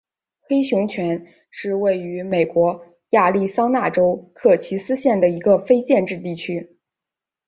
黑熊泉是位于美国亚利桑那州科奇斯县的一个非建制地区。